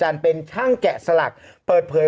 โอเคโอเคโอเคโอเคโอเค